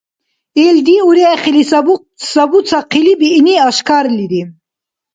Илди урехили сабуцахъили биъни ашкарлири.